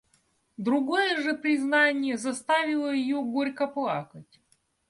Другое же признание заставило ее горько плакать.